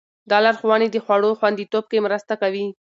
دا لارښوونې د خوړو خوندیتوب کې مرسته کوي.